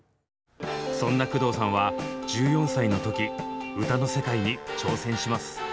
そんな工藤さんは１４歳の時歌の世界に挑戦します。